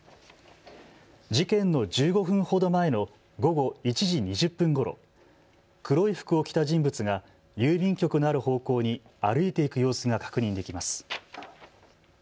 事件の１５分ほど前の午後１時２０分ごろ、黒い服を着た人物が郵便局のある方向に歩いて行く様子が確認できます。